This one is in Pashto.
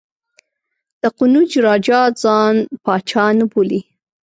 د قنوج راجا ځان پاچا نه بولي.